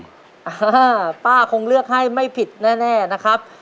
อ่าป้าคงเลือกให้ไม่ผิดแน่แน่นะครับ